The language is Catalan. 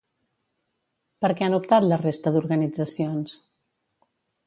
Per què han optat la resta d'organitzacions?